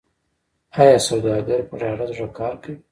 آیا سوداګر په ډاډه زړه کار کوي؟